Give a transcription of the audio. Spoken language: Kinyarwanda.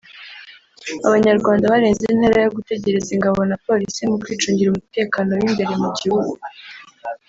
Abanyarwanda barenze intera yo gutegereza ingabo na polisi mu kwicungira umutekano w’imbere mu gihugu